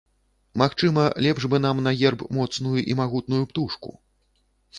Магчыма, лепш бы нам на герб моцную і магутную птушку.